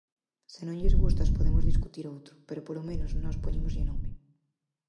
Se non lles gustas podemos discutir outro, pero, polo menos, nós poñémoslle nome.